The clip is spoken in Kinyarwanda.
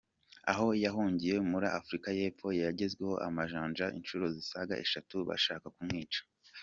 Aho yahungiye muri Afurika y’Epfo, yagezwe amajanja inshuro zisaga eshatu, bashaka kumwica.